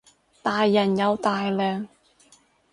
大人有大量